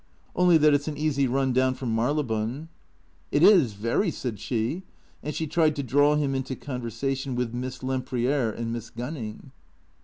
" Only that it 's an easy run down from Marylebone." "It is — very," said she, and she tried to draw him into con versation with Miss Lempriere and Miss Gunning.